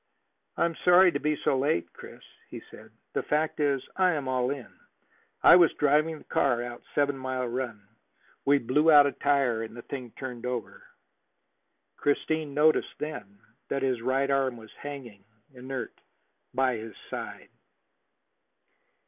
"I am sorry to be so late, Chris," he said. "The fact is, I am all in. I was driving the car out Seven Mile Run. We blew out a tire and the thing turned over." Christine noticed then that his right arm was hanging inert by his side.